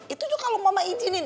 itu juga kalau mama izinin